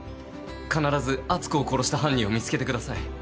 必ず篤子を殺した犯人を見つけてください。